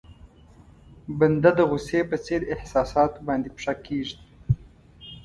بنده د غوسې په څېر احساساتو باندې پښه کېږدي.